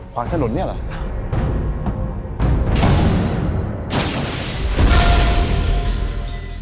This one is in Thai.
ขวางถนนเนี่ยเหรอ